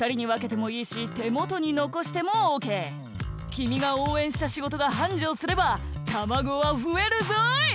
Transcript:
きみが応援したしごとがはんじょうすればたまごは増えるぞい！